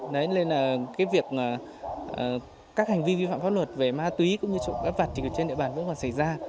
nên là cái việc các hành vi vi phạm pháp luật về ma túy cũng như chỗ gấp vặt thì trên địa bàn vẫn còn xảy ra